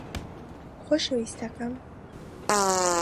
خۆشەویستەکەم